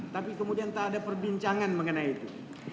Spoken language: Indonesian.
tapi kemudian tak ada perbincangan mengenai itu